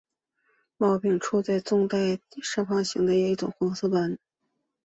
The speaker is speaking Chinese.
尾柄处在纵带上方形成一黄色斑。